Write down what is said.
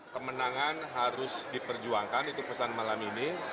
kemenangan harus diperjuangkan itu pesan malam ini